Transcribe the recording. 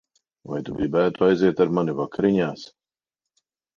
Vai tu gribētu aiziet ar mani vakariņās?